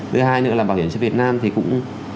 thứ hai nữa là bảo hiểm y tế việt nam thì cũng